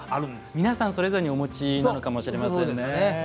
皆さん、それぞれにお持ちなのかもしれませんね。